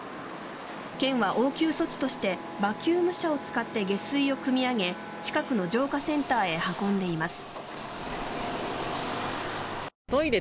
県は応急措置としてバキューム車を使って下水をくみ上げ近くの浄化センターへ運んでいます。